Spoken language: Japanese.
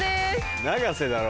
永瀬だろ？